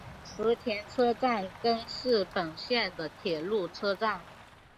池田车站根室本线的铁路车站。